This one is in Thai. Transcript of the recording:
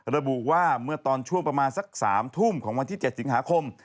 ระบุว่าเมื่อตอนช่วงประมาณสัก๓ทุ่มของวันที่๗สิงหาคม